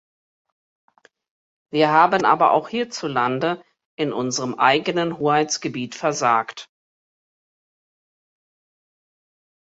Wir haben aber auch hierzulande, in unserem eigenen Hoheitsgebiet versagt.